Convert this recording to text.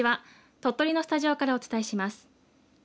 鳥取のスタジオからお伝えします。